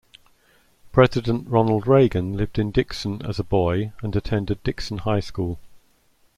President Ronald Reagan lived in Dixon as a boy and attended Dixon High School.